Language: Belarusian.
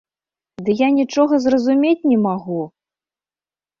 Ды я нічога зразумець не магу!